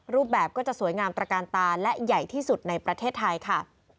รูปแบบก็จะสวยงามตระการตาและใหญ่ที่สุดในประเทศไทยค่ะ